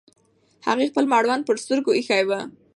هغې خپل مړوند پر سترګو ایښی و.